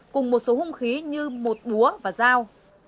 cùng một số hung khí như một búa và dao